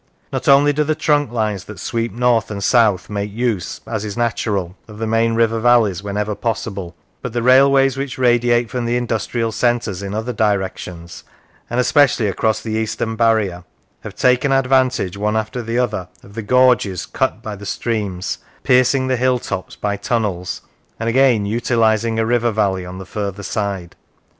Not only do the trunk lines that sweep north and south make use, as is natural, of the main river valleys whenever possible, but the railways which radiate from the industrial centres in other directions, and especially across the eastern barrier, have taken advantage, one after the other, of the gorges cut by the streams, piercing the hill tops by tunnels, and again utilising a river valley on the further side.